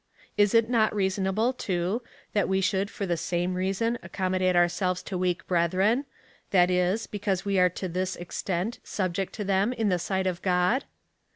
Is it not reasonable, too, that we should for the same reason accommodate ourselves to weak brethren — that is, because we are to this extent subject to them in the sight of God